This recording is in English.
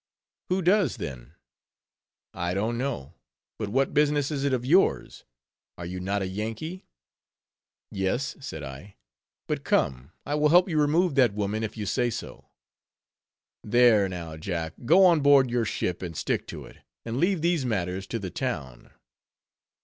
"Who does then?" "I don't know. But what business is it of yours? Are you not a Yankee?" "Yes," said I, "but come, I will help you remove that woman, if you say so." "There, now, Jack, go on board your ship and stick to it; and leave these matters to the town."